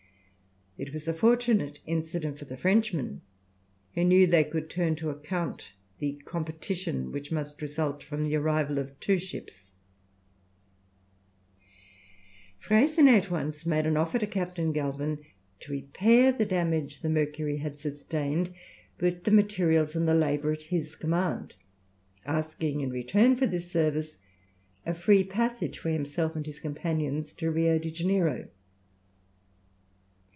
It was a fortunate incident for the Frenchmen, who knew they could turn to account the competition which must result from the arrival of two ships. [Illustration: The Mercury at anchor in Berkeley Sound.] Freycinet at once made an offer to Captain Galvin to repair the damage the Mercury had sustained, with the materials and the labour at his command, asking in return for this service a free passage for himself and his companions to Rio de Janeiro.